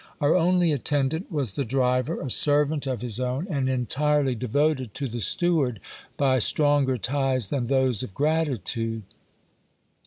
Our only attendant was the driver, a servant of his own, and entirely devoted to the steward by stronger ties than those of gratitude.